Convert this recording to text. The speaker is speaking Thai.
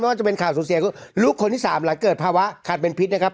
ว่าจะเป็นข่าวสูญเสียคือลูกคนที่สามหลังเกิดภาวะขาดเป็นพิษนะครับ